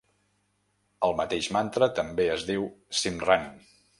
El mateix mantra també es diu Simran.